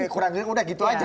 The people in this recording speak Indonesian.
kurang greget udah gitu aja